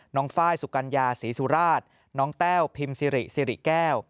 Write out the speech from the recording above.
ไฟล์สุกัญญาศรีสุราชน้องแต้วพิมพ์สิริสิริแก้ว